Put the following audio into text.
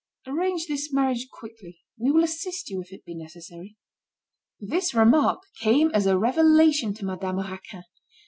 Arrange this marriage quickly. We will assist you if it be necessary." This remark came as a revelation to Madame Raquin.